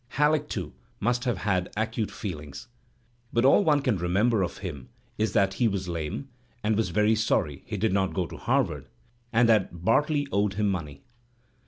Halleck, too, must have had acute feelings. But all one can remember of him is that he was lame, and was sorry he did not go to Harvard, and that Bartley owed him money.